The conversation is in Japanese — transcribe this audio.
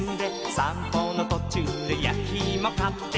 「さんぽのとちゅうでやきいもかって」